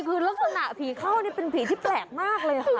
คือลักษณะผีเข้านี่เป็นผีที่แปลกมากเลย